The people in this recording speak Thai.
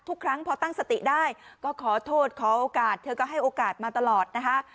ทุกครั้งพอตั้งสติได้ก็ขอโทษขอโอกาสเธอก็ให้โอกาสมาตลอดนะคะ